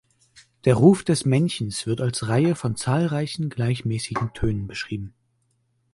Der Ruf des Männchens wird als Reihe von zahlreichen gleichmäßigen Tönen beschrieben.